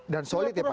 dan solid ya pak ya